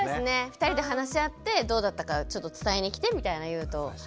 ２人で話し合ってどうだったかちょっと伝えに来てみたいの言うと。